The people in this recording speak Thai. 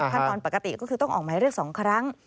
ตอนปกติก็คือต้องออกหมายเรียก๒ครั้ง